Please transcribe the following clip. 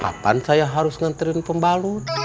kapan saya harus ngantrin pembalut